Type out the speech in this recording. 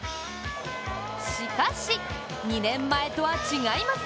しかし２年前とは違います！